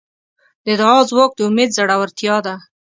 د دعا ځواک د امید زړورتیا ده.